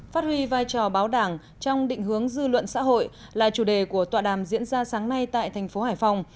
phát huy vai trò báo đảng trong định hướng dư luận xã hội là chủ đề của tọa đàm diễn ra sáng nay tại thành phố hải phòng